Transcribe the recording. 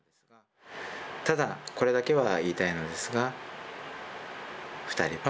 ただこれだけは言いたいのですが２人は。